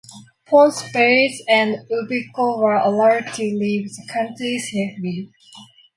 Ponce Vaides and Ubico were allowed to leave the country safely.